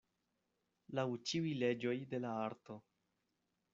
Laŭ ĉiuj leĝoj de la arto.